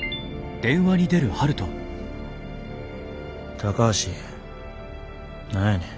高橋何やねん。